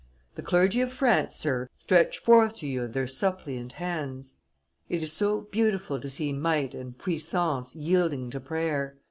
The clergy of France, Sir, stretch forth to you their suppliant hands; it is so beautiful to see might and puissance yielding to prayer!